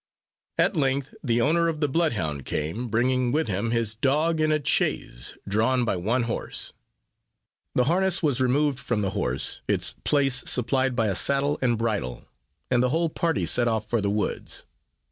At length the owner of the blood hound came, bringing with him his dog, in a chaise, drawn by one horse. The harness was removed from the horse, its place supplied by a saddle and bridle, and the whole party set off for the woods.